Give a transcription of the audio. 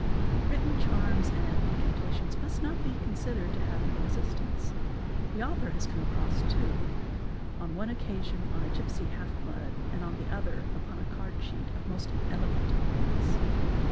Written charms and incantations must not be considered to have no existence. The author has come across two; on one occasion on a gipsy half blood and on the other upon a card cheat of most elegant appear ance.